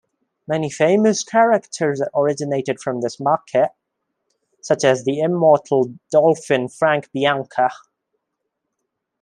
Many famous characters originated from this market, such as the immortal "Dolphin" Frank Bianca.